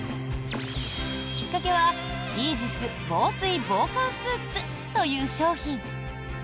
きっかけはイージス防水防寒スーツという商品。